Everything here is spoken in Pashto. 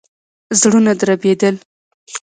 زړونه دربېدل.